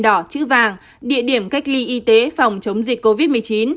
đỏ chữ vàng địa điểm cách ly y tế phòng chống dịch covid một mươi chín